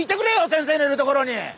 先生のいるところに。